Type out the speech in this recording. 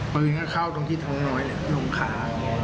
ปืนก็เข้าถึงที่ท้องน้อยนะว่าลงขา